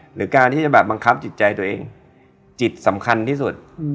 หรือการที่จะแบบบังคับจิตใจตัวเองจิตสำคัญที่สุด